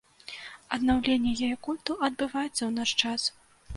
Аднаўленне яе культу адбываецца ў наш час.